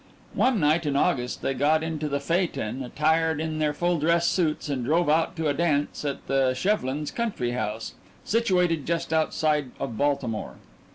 One night in August they got into the phaeton attired in their full dress suits and drove out to a dance at the Shevlins' country house, situated just outside of Baltimore.